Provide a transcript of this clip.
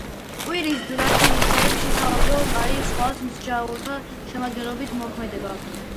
კვირის დანარჩენ დღეებში სააჯო კარი სხვა მსაჯულთა შემადგენლობით მოქმედებდა.